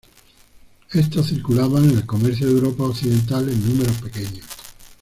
Estos circulaban en el comercio de Europa occidental en números pequeños.